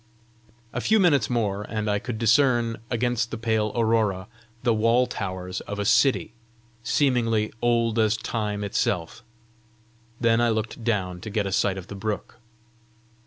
A few minutes more, and I could discern, against the pale aurora, the wall towers of a city seemingly old as time itself. Then I looked down to get a sight of the brook.